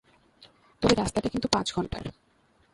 তবে রাস্তাটা কিন্তু পাঁচ ঘন্টার।